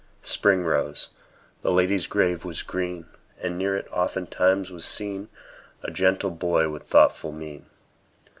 Spring rose; the lady's grave was green; And near it, oftentimes, was seen A gentle boy with thoughtful mien.